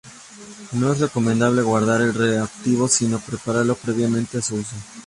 No es recomendable guardar el reactivo, sino prepararlo previamente a su uso.